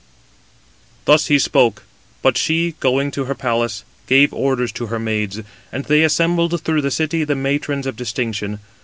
Thus he spoke: but she, going to her palace, gave orders to her maids: and they assembled through the city the matrons of distinction.